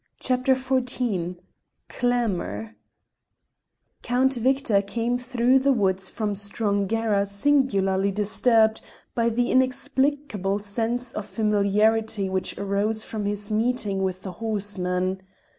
CHAPTER XIV CLAMOUR Count Victor came through the woods from Strongara singularly disturbed by the inexplicable sense of familiarity which rose from his meeting with the horseman.